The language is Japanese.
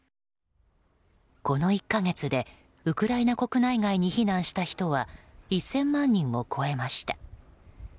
この１か月でウクライナ国内外に避難した人は１０００万人を超えました。